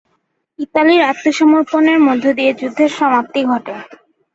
ইতালির আত্মসমর্পণের মধ্য দিয়ে যুদ্ধের সমাপ্তি ঘটে।